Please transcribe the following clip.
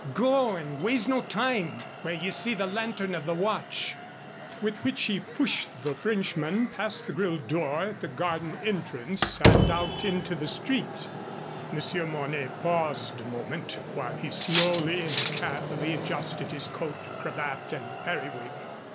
Go, and waste no time where ye see the lantern of the watch," with which he pushed the Frenchman past the grilled door at the garden entrance and out into the street. Monsieur Mornay paused a moment while he slowly and carefully adjusted his coat, cravat, and periwig.